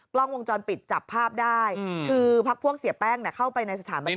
กล้องวงจรปิดจับภาพได้คือพักพวกเสียแป้งเข้าไปในสถานบันเทิง